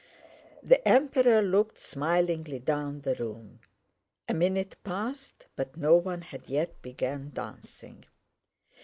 The Emperor looked smilingly down the room. A minute passed but no one had yet begun dancing.